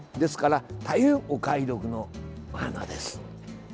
大変お買い得なお花です。